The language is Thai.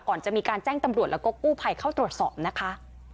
ก่อนจะมีการแจ้งตำรวจแล้วก็กู้ภัยเข้าตรวจสอบนะคะ